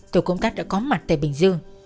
tổ công tác đã có mặt tại bình dương